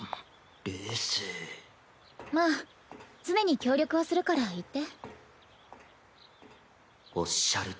まあ常に協力はするから言って。